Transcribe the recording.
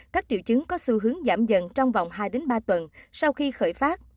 các triệu chứng có xu hướng giảm dần trong vòng hai ba tuần sau khi khởi phát